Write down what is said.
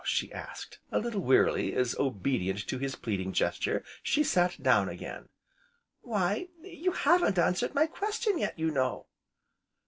she asked, a little wearily as, obedient to his pleading gesture, she sat down again. "Why, you haven't answered my question yet, you know."